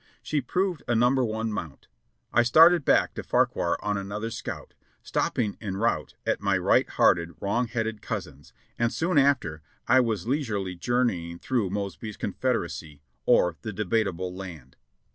She proved a number one mount. I started back to Fauquier on another scout, stopping en route at my right hearted, wrong headed cousin's, and soon after I was leisurely journeying through Mosby's Confederacy, or "The Debatable Land."